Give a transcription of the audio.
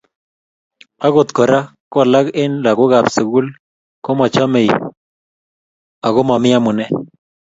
Agot Kora ko alak eng lagokab sukul komochomei ago Mami amune